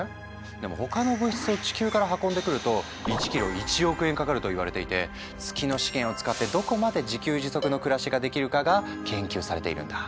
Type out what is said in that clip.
でも他の物質を地球から運んでくると１キロ１億円かかるといわれていて月の資源を使ってどこまで自給自足の暮らしができるかが研究されているんだ。